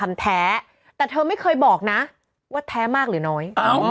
ไม่เคยบอกว่าแท้มากหรือน้อย